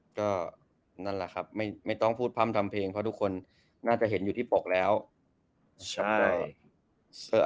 ก็นั่นแหละครับไม่ต้องพูดพร่ำทำเพลงเพราะทุกคนน่าจะเห็นอยู่ที่ปกแล้วใช่